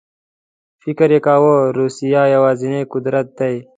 فکر یې کاوه روسیه یوازینی قدرت دی.